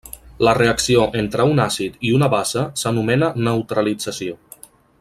La reacció entre un àcid i una base s'anomena neutralització.